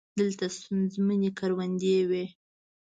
دلته ستونزمنې کروندې وې.